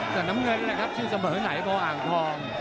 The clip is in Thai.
แต่น้ำเงินนี่แหละครับชื่อเสมอไหนพออ่างทอง